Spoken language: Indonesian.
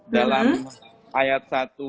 dalam ayat satu